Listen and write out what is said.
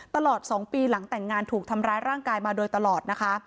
ตลอด๒ปีหลังแต่งงานถูกทำร้ายร่างกายมาโดยตลอดนะคะ